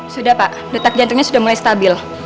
sudah pak detak jantungnya sudah mulai stabil